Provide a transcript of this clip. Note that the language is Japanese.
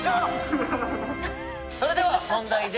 それでは問題です。